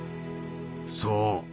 そう。